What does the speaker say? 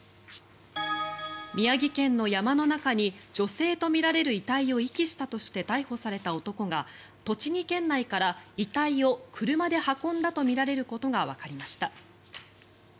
宮城県の山の中に女性とみられる遺体を遺棄したとして逮捕された男が栃木県内から遺体を車で運んだとみられることがわかりました。